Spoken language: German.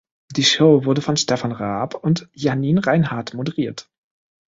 Die Show wurde von Stefan Raab und Janin Reinhardt moderiert.